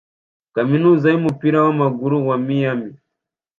kaminuza yumupira wamaguru wa Miami